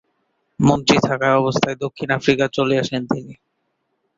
মন্ত্রী থাকা অবস্থায় দক্ষিণ আফ্রিকা চলে আসেন তিনি।